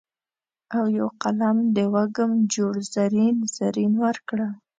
او یو قلم د وږم جوړ زرین، زرین ورکړه